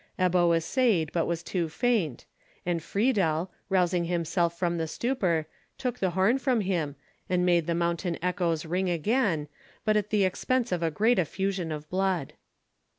Ebbo essayed, but was too faint, and Friedel, rousing himself from the stupor, took the horn from him, and made the mountain echoes ring again, but at the expense of a great effusion of blood.